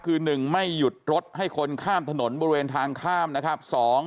คือ๑ไม่หยุดรถให้คนข้ามถนนบริเวณทางข้ามนะครับ